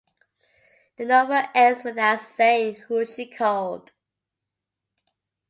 The novel ends without saying who she called.